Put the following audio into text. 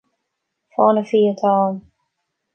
Fáinne fí atá ann.